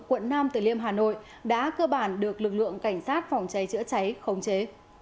quận nam từ liêm hà nội đã cơ bản được lực lượng cảnh sát phòng cháy chữa cháy khống chế